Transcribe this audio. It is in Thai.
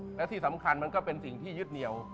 แล้วสิ่งที่สำคัญก็เป็นสิ่งที่ยึดเงียว